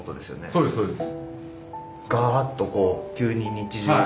そうですそうです。